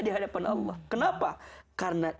di hadapan allah kenapa karena